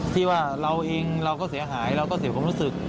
ที่ว่าเราเองเราก็เสียหายเราก็เสียความรู้สึก